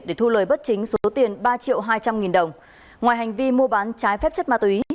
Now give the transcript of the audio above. để thu lời bất chính số tiền ba triệu hai trăm linh nghìn đồng ngoài hành vi mua bán trái phép chất ma túy